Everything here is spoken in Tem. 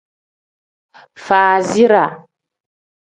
Faaziraa.